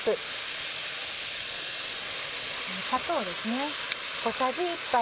砂糖ですね。